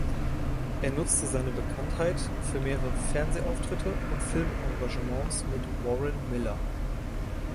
Er nutzte seine Bekanntheit für mehrere Fernsehauftritte und Filmengagements mit Warren Miller.